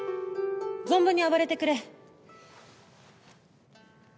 存分に暴れてくれ。